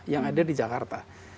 yang ada di jakarta